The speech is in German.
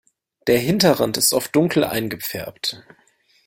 Der Hinterrand ist oft dunkel eingefärbt.